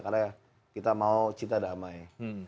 karena kita mau cita damai